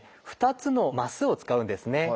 ２つのマスを使うんですね。